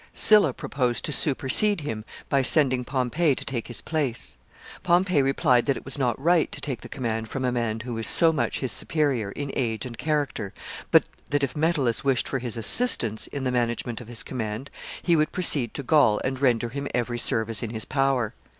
Sylla proposed to supersede him by sending Pompey to take his place. Pompey replied that it was not right to take the command from a man who was so much his superior in age and character, but that, if Metellus wished for his assistance in the management of his command, he would proceed to Gaul and render him every service in his power.